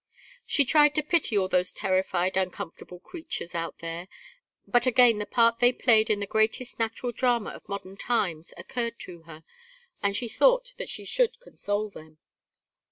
She tried to pity all those terrified uncomfortable creatures out there, but again the part they played in the greatest natural drama of modern times occurred to her, and she thought that should console them.